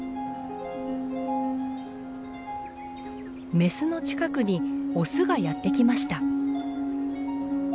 メスの近くにオスがやって来ました。